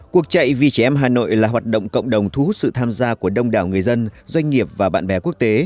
cuộc chạy vì trẻ em hà nội là hoạt động cộng đồng thu hút sự tham gia của đông đảo người dân doanh nghiệp và bạn bè quốc tế